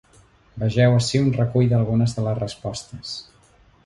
Vegeu ací un recull d’algunes de les respostes.